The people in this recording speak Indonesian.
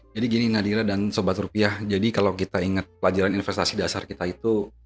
jadi gini nadira dan sobat rupiah jadi kalau kita ingat pelajaran investasi dasar kita itu